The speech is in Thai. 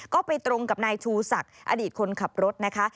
ก็ไปตรงกับนายชูศักดิ์อดีตคนขับรถนะคะ